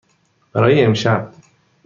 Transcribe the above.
برای امشب.